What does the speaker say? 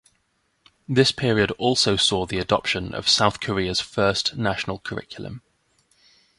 This period also saw the adoption of South Korea's first national curriculum.